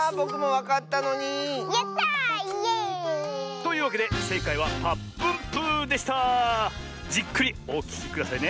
というわけでせいかいは「ぱっぷんぷぅ」でした！じっくりおききくださいね。